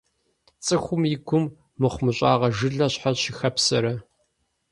Цӏыхум и гум мыхъумыщӏагъэ жылэ щхьэ щыхэпсэрэ?